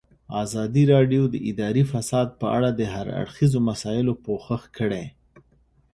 ازادي راډیو د اداري فساد په اړه د هر اړخیزو مسایلو پوښښ کړی.